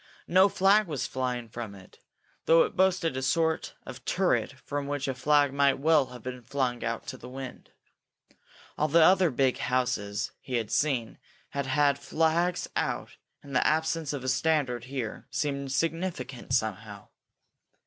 No flag was flying from it, though it boasted a sort of turret from which a flag might well have been flung out to the wind. All the other big houses he had seen had had flags out and the absence of a standard here seemed significant, somehow.